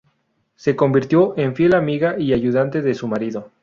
Se convirtió en fiel amiga y ayudante de su marido.